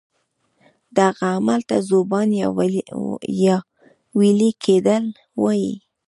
دغه عمل ته ذوبان یا ویلي کیدل وایي.